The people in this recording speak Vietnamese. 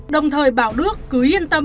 đồng thời bảo đức cứ yên tâm